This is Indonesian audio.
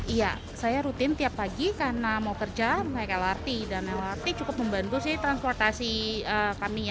iya saya rutin tiap pagi karena mau kerja naik lrt dan lrt cukup membantu sih transportasi kami ya